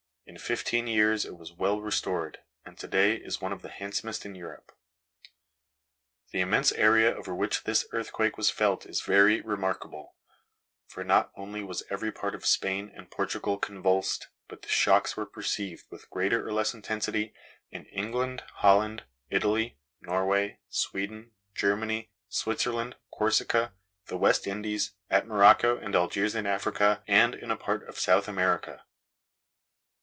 In fifteen years it was well restored, and to day is one of the handsomest in Europe. The immense area over which this earthquake was felt is very remarkable; for not only was every part of Spain and Portugal convulsed, but the shocks were perceived, with greater or less intensity, in England, Holland, Italy, Norway, Sweden, Germany, Switzerland, Corsica, the West Indies, at Morocco and Algiers in Africa, and in a part of South America.